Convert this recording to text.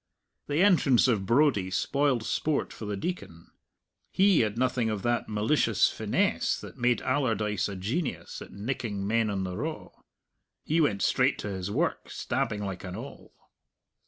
The entrance of Brodie spoiled sport for the Deacon. He had nothing of that malicious finesse that made Allardyce a genius at nicking men on the raw. He went straight to his work, stabbing like an awl.